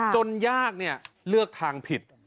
จนยากเลือกทางผิด